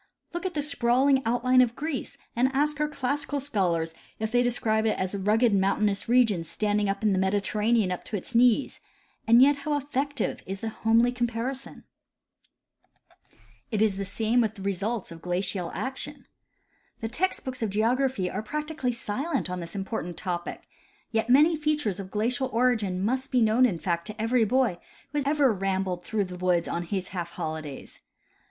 Look at the sprawling outline of Greece, and ask our classical scholars if they describe it as a rugo ed mountainous region standing in the Mediterranean up to its knees ; and yet how effective is the homely comparison ! It is the same with the results of glacial action. The text books of geography are practically silent on this important topic ; yet many features of glacial origin must be known in fact to every boy who has rambled through the woods on his half holidays.